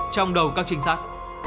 trong đầu các trinh sát